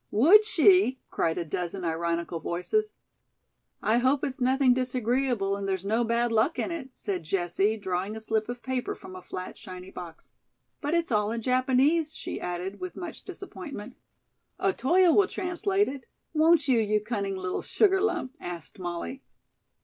"Would she?" cried a dozen ironical voices. "I hope it's nothing disagreeable and there's no bad luck in it," said Jessie, drawing a slip of paper from a flat, shiny box. "But it's all in Japanese," she added, with much disappointment. "Otoyo will translate it. Won't you, you cunning little sugar lump?" asked Molly.